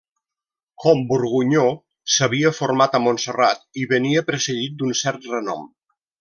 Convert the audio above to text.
Com Borgunyó, s'havia format a Montserrat i venia precedit d'un cert renom.